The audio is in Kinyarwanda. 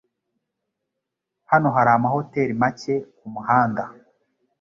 Hano hari amahoteri make kumuhanda